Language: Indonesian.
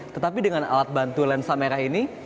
tetapi dengan alat bantu lensa merah ini